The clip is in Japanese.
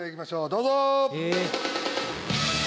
どうぞ！